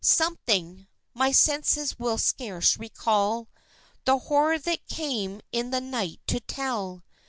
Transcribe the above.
Something ... my senses will scarce recall ... The horror they came in the night to tell